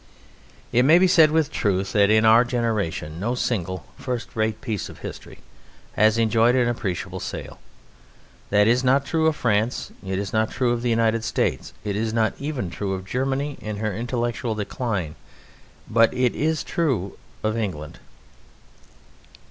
It may be said with truth that in our generation no single first rate piece of history has enjoyed an appreciable sale. That is not true of France, it is not true of the United States, it is not even true of Germany in her intellectual decline, but it is true of England.